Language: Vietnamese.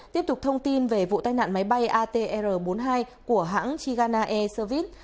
tiếp tục thông tin về vụ tai nạn máy bay atr bốn mươi hai của hãng chigana air soviet